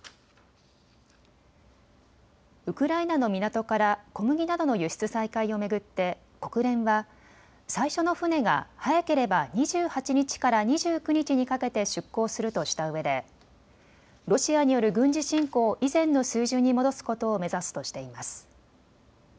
ウクライナの港から小麦などの輸出再開を巡って国連は最初の船が早ければ２８日から２９日にかけて出港するとしたうえでロシアによる軍事侵攻以前の水準に戻すことを目指すとしています。